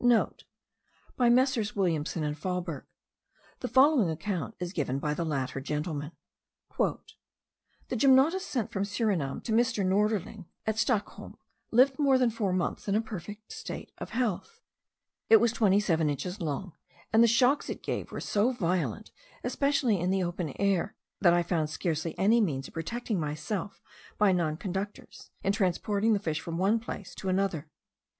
(* By MM. Williamson and Fahlberg. The following account is given by the latter gentleman. "The gymnotus sent from Surinam to M. Norderling, at Stockholm, lived more than four months in a state of perfect health. It was twenty seven inches long; and the shocks it gave were so violent, especially in the open air, that I found scarcely any means of protecting myself by non conductors, in transporting the fish from one place to another.